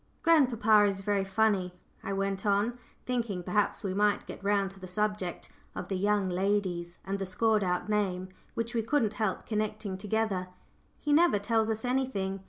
"Grandpapa is very funny," I went on, thinking, perhaps, we might get round to the subject of the "young ladies" and the scored out name, which we couldn't help connecting together; "he never tells us anything.